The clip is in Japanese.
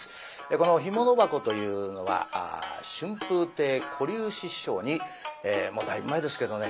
この「干物箱」というのは春風亭小柳枝師匠にだいぶ前ですけどね